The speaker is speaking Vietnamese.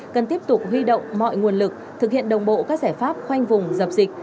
cần tiếp tục huy động mọi nguồn lực thực hiện đồng bộ các giải pháp khoanh vùng dập dịch